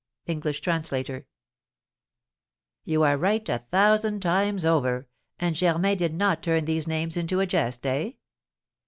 English Translator. "You are right a thousand times over. And Germain did not turn these names into a jest, eh?"